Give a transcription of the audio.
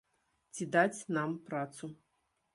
Ці даць нам працу!